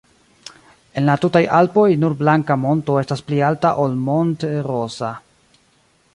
En la tutaj Alpoj, nur Blanka Monto estas pli alta ol Monte-Rosa.